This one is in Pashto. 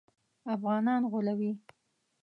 افغانان غولوي.